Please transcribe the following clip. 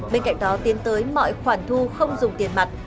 bên cạnh đó tiến tới mọi khoản thu không dùng tiền mặt